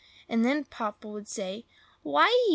And then Papa would say, "Why ee!